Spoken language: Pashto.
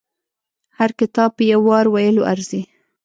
هر کتاب په يو وار ویلو ارزي.